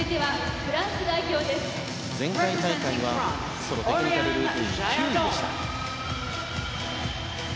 前回大会はソロテクニカルルーティン９位でした。